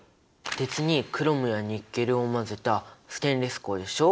鉄にクロムやニッケルを混ぜたステンレス鋼でしょ。